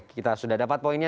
kita sudah dapat poinnya